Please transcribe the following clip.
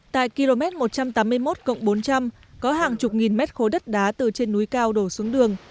tại km một trăm tám mươi một bốn trăm linh có hàng chục nghìn mét khối đất đá từ trên núi cao đổ xuống đường